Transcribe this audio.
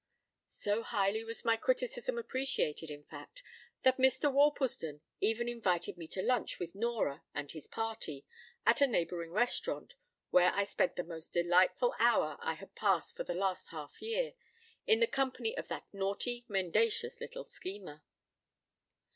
So highly was my criticism appreciated, in fact, that Mr. Worplesdon even invited me to lunch with Nora and his party at a neighbouring restaurant, where I spent the most delightful hour I had passed for the last half year, in the company of that naughty mendacious little schemer.